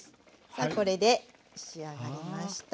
さあこれで仕上がりました。